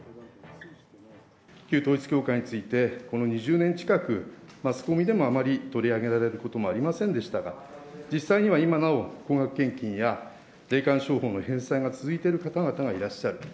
旧統一教会について、この２０年近くマスコミでもあまり取り上げられることもありませんでしたが、実際には今なお、高額献金や霊感商法の返済が続いている方々がいらっしゃる。